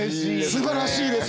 すばらしいです